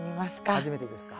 初めてですか？